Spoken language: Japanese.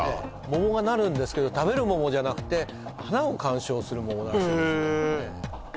桃がなるんですけど食べる桃じゃなくて花を観賞する桃なんですへえ